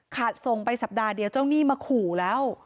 ส่งไปสัปดาห์เดียวเจ้าหนี้มาขู่แล้ว